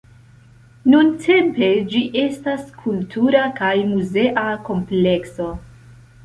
Nuntempe ĝi estas kultura kaj muzea komplekso.